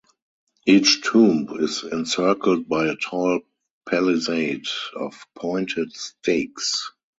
Each tomb is encircled by a tall palisade of pointed stakes.